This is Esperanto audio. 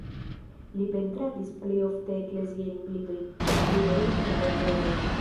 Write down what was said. Li pentradis plej ofte ekleziajn bildojn, pli malofte portretojn.